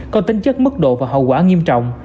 có tính chất mức độ và hậu quả nghiêm trọng